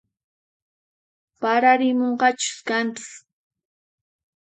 Pararimunqachus kanpis